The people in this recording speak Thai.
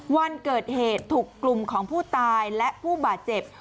วันเกิดเหตุถูกกลุ่มของผู้ตายและผู้บาดเจ็บ